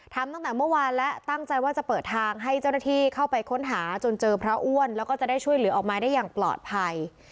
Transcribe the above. ทำตั้งแต่เมื่อวานและตั้งใจว่าจะเปิดทางให้เจ้าหน้าที่เข้าไปค้นหาจนเจอพระอ้วนแล้วก็จะได้ช่วยเหลือออกมาได้อย่างปลอดภัย